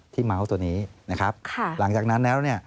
ที่เมาส์ตัวนี้นะครับหลังจากแล้ว